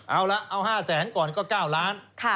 เอาละเอา๕แสนก่อนก็๙ล้าน